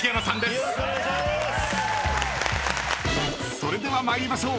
［それでは参りましょう］